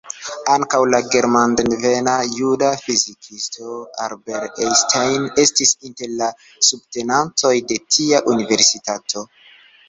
Ankaŭ la germandevena juda fizikisto Albert Einstein estis inter la subtenantoj de tia universitato.